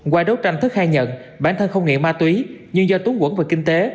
qua đối tranh thức khai nhận bản thân không nghiện ma túy nhưng do túng quẩn về kinh tế